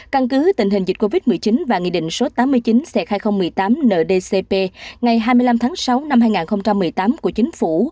căn cứ tình hình dịch covid một mươi chín và nghị định số tám mươi chín c hai nghìn một mươi tám ndcp ngày hai mươi năm tháng sáu năm hai nghìn một mươi tám của chính phủ